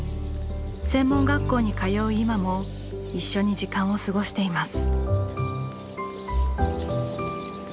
専門学校に通う今も一緒に時間を過ごしています。